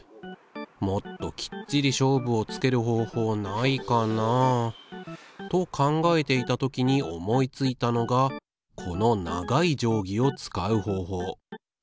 もっときっちり勝負をつける方法ないかなあと考えていた時に思いついたのがこの長い定規を使う方法。